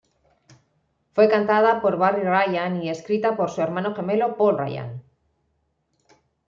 Fue cantada por Barry Ryan y escrito por su hermano gemelo Paul Ryan.